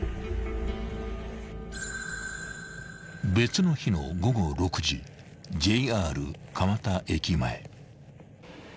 ［別の日の午後６時ＪＲ蒲田駅前］